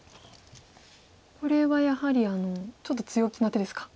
これはやはりちょっと強気な手ですか。